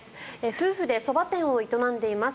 夫婦でそば店を営んでいます。